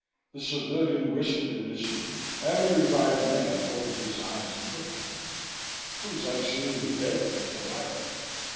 The civilian whispered in his ear and the revived man opened his eyes and looked at him. It was like seeing the dead come to life.